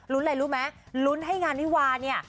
ลุ้นไงรู้ไหมลุ้นให้งานวิวาร์เนี่ย